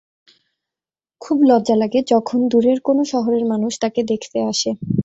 খুব লজ্জা লাগে যখন দূরের কোনো শহরের মানুষ তাঁকে দেখতে আসে।